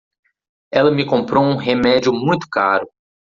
Ela me comprou um remédio muito caro.